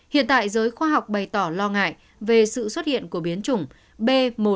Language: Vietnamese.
hiện tại giới khoa học bày tỏ lo ngại về sự xuất hiện của biến chủng b một một năm trăm hai mươi chín